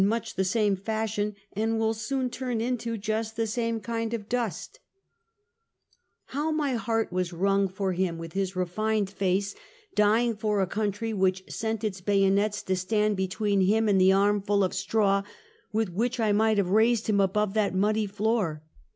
uch the same fashion, and will soon turn into just the same kind of dust." YlSITEKS. 317 How my heart was wrung for him, with his refined face, dying for a country which sent its bayonets to stand between him and the armful of straw, with which I might have raised him above that muddy floor.